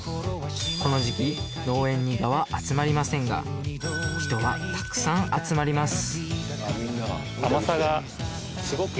この時期農園に蛾は集まりませんが人はたくさん集まります